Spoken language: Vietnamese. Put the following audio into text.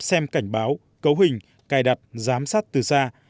xem cảnh báo cấu hình cài đặt giám sát từ xa